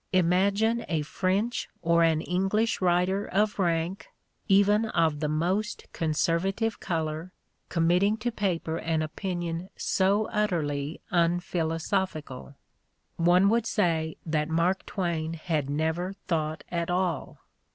Imagine a French or an English writer of rank, even of the most conservative color, committing to paper an opinion so utterly unphilosophical ! One would say that Mark Twaia had never thought at all.